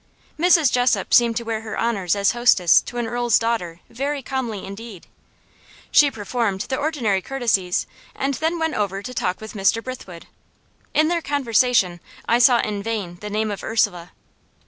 Mrs. Jessop seemed to wear her honours as hostess to an earl's daughter very calmly indeed. She performed the ordinary courtesies, and then went over to talk with Mr. Brithwood. In their conversation I sought in vain the name of Ursula.